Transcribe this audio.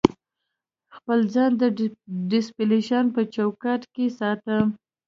خپل ځان د ډیسپلین په چوکاټ کې ساتم.